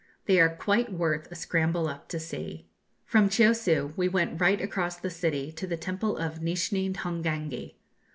They are quite worth a scramble up to see. From Chiosiu we went right across the city to the temple of Nishni Hongangi.